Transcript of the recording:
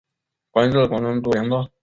官至广东督粮道。